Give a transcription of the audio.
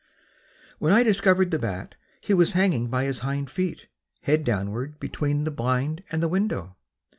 When I discovered the bat he was hanging by his hind feet, head downward between the blind and the window.